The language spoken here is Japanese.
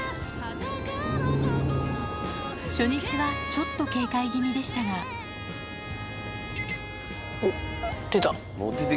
初日はちょっと警戒気味でしたがおっ出た。